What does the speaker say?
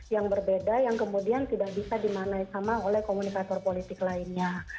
yang berbeda yang kemudian tidak bisa dimaknai sama oleh komunikator politik lainnya